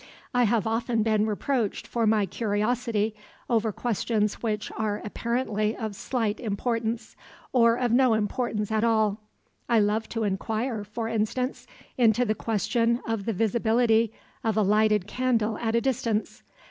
I have often been reproached for my curiosity over questions which are apparently of slight importance, or of no importance at all. I love to inquire, for instance, into the question of the visibility of a lighted candle at a distance.